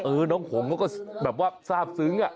เออน้องหงก็แบบว่าทราบซึ้ง